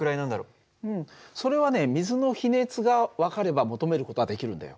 それはね水の比熱が分かれば求める事はできるんだよ。